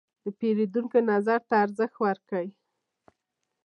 د پیرودونکو نظر ته ارزښت ورکړئ.